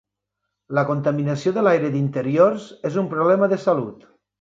La contaminació de l'aire d'interiors és un problema de salut.